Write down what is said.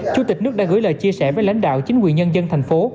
chủ tịch nước đã gửi lời chia sẻ với lãnh đạo chính quyền nhân dân thành phố